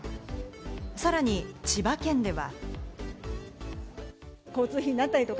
さらに千葉県では。